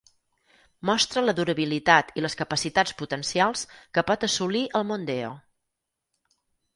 Mostra la durabilitat i les capacitats potencials que pot assolir el Mondeo.